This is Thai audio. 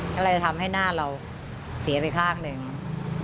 ก็เลยทำให้หน้าเราเสียไปคลากเลยอย่างนี้